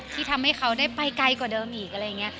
ที่ทำให้เขาได้ไปไกลกว่าเดิมอีกอะไรอย่างนี้